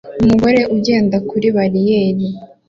Umugore ugenda kuri bariyeri